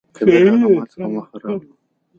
کبير: هغه ماته په مخه راغلو.